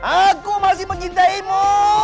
aku masih mencintaimu